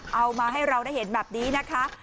เอามาให้เราได้เห็นแบบนี้นะคะ